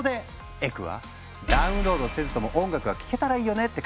エクは「ダウンロードせずとも音楽が聴けたらいいよね」って考えた。